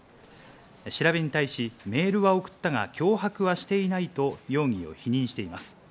調べに対し、メールは送ったが脅迫はしていないと容疑を否認しています。